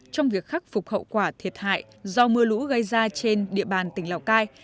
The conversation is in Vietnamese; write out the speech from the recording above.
trong việc khắc phục hậu quả thiệt hại do mưa lũ gây ra trên địa bàn tỉnh lào cai